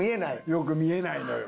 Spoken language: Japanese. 良く見えないのよ。